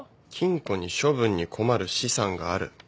「金庫に処分に困る資産がある」